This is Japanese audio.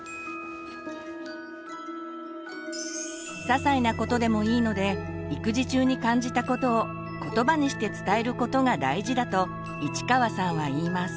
ささいなことでもいいので育児中に感じたことをことばにして伝えることが大事だと市川さんは言います。